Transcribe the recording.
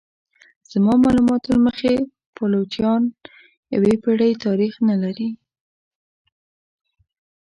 زما معلومات له مخې پایلوچان یوې پیړۍ تاریخ نه لري.